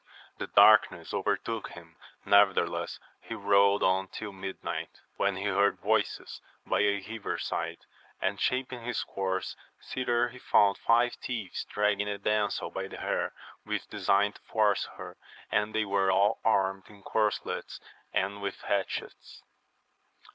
The darkness overtook him, nevertheless he rode on till midnight, when he heard voices by a river side, and shaping his course thither he found five thieves dragging a damsel by the hair, with design to force her, and they were aU armed in corslets and with hatchets.